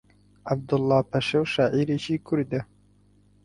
عەبدوڵڵا پەشێو شاعیرێکی کوردە